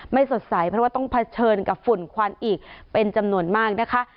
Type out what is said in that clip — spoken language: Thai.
สดใสเพราะว่าต้องเผชิญกับฝุ่นควันอีกเป็นจำนวนมากนะคะ